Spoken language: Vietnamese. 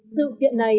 sự kiện này